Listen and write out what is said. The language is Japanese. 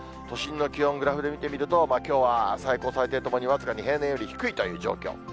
都心の気温、グラフで見てみるときょうは最高、最低ともに僅かに平年より低いという状況。